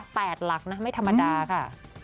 หลักนะไม่ธรรมดาค่ะ